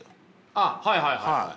あっはいはいはいはい。